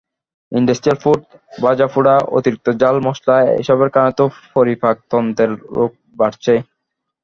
Industrial food, ভাজাপোড়া, অতিরিক্ত ঝাল-মসলা—এসবের কারণে তো পরিপাকতন্ত্রের রোগ বাড়ছেই।